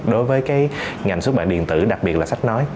đối với cái ngành xuất bản điện tử đặc biệt là sách nói